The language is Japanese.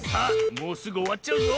もうすぐおわっちゃうぞ。